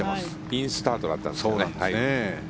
インスタートだったんですけど。